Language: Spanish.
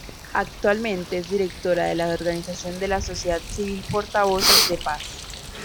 Actualmente es directora de la organización de la sociedad civil Portavoces de Paz.